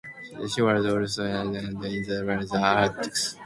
She was also appointed as Minister Assisting the Minister for the Arts.